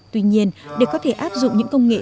tuy nhiên để có thể áp dụng những công nghệ